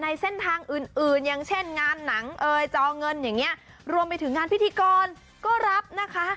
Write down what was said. เส้นทางอื่นอื่นอย่างเช่นงานหนังเอ่ยจอเงินอย่างเงี้ยรวมไปถึงงานพิธีกรก็รับนะคะ